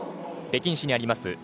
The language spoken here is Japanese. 北京市にあります